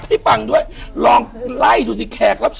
อยู่ที่แม่ศรีวิรัยิลครับ